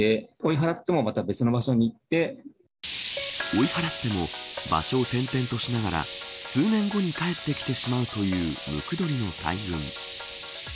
追い払っても場所を転々としながら数年後に帰ってきてしまうというムクドリの大群。